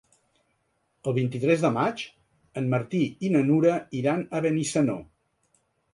El vint-i-tres de maig en Martí i na Nura iran a Benissanó.